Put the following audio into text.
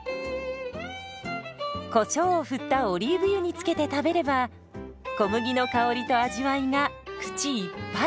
こしょうを振ったオリーブ油につけて食べれば小麦の香りと味わいが口いっぱい！